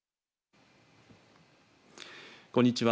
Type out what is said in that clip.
こんにちは。